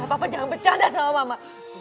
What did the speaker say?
papa jangan bercanda sama mama